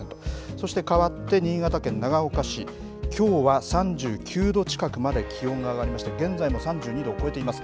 そして、かわって新潟県長岡市きょうは３９度近くまで気温が上がりまして現在も３２度を超えています。